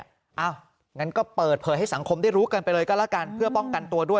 อย่างนั้นก็เปิดเผยให้สังคมได้รู้กันไปเลยก็แล้วกันเพื่อป้องกันตัวด้วย